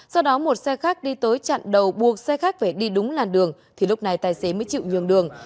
do đó một xe khách đi tới chặn đầu buộc xe khách phải đi đúng làn đường thì lúc này tài xế mới chịu nhường đường